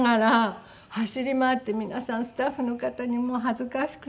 皆さんスタッフの方にもう恥ずかしくて。